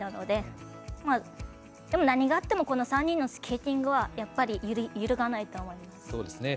でも何があってもこの３人のスケーティングはやっぱり揺るがないと思います。